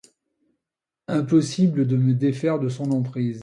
Impossible de me défaire de son emprise.